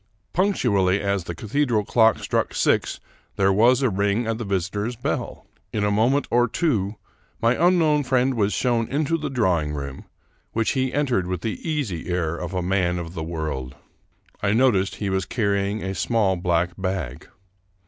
Punctually as the cathedral clock struck six there was a ring at the visitor's bell. In a moment or two my un known friend was shown into the drawing room, which he entered with the easy air of a man of the world. I noticed he was carrying a small black bag.